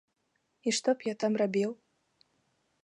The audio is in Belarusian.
І што б я там рабіў?